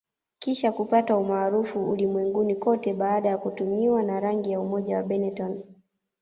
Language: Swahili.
Kisha kupata umaarufu ulimwenguni kote baada ya kutumiwa na rangi ya umoja wa Benetton